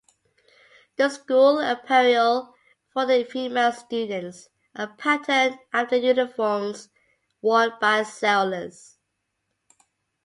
The school apparel for the female students are patterned after uniforms worn by sailors.